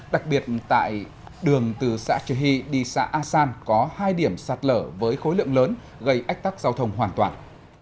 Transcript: đặc biệt tại đường từ xã trà hy đi xã a san có hai điểm sạt lở với khối lượng lớn gây ách tắc giao thông hoàn toàn